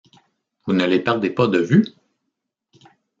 Vous ne les perdez pas de vue ?